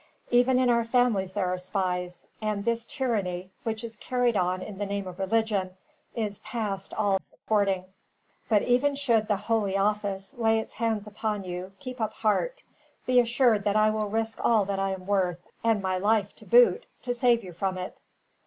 Even in our families there are spies, and this tyranny, which is carried on in the name of religion, is past all supporting. "But, even should the 'holy office' lay its hands upon you, keep up heart. Be assured that I will risk all that I am worth, and my life, to boot, to save you from it."